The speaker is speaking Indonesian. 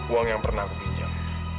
uang yang pernah aku pinjam